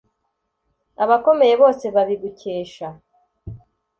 Abakomeye bose babigukesha